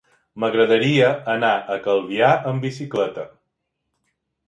M'agradaria anar a Calvià amb bicicleta.